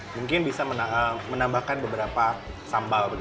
mungkin bisa menambahkan beberapa sambal